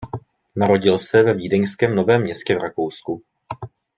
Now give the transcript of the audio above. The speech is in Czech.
Narodil se ve Vídeňském Novém Městě v Rakousku.